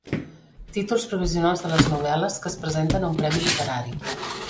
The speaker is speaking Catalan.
Títols provisionals de les novel·les que es presenten a un premi literari.